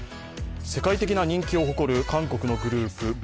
世界的な人気を誇り韓国のグループ、ＢＴＳ。